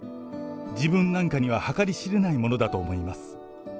自分なんかには計り知れないものだと思います。